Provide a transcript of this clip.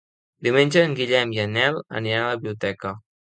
Diumenge en Guillem i en Nel aniran a la biblioteca.